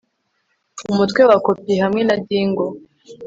Umutwe wa kopi hamwe na dingle